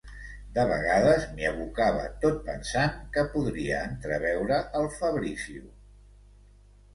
De vegades m'hi abocava tot pensant que podria entreveure el Fabrizio...